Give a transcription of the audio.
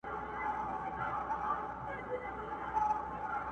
د مسجدي او د اکبر مېنه ده،